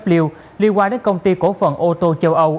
lưu liên quan đến công ty cổ phần ô tô châu âu